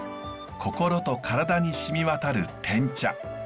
心と体に染みわたるてん茶。